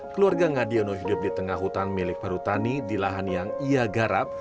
keluarga ngadiono hidup di tengah hutan milik perhutani di lahan yang ia garap